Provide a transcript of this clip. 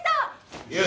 よし！